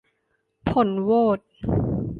ผลโหวต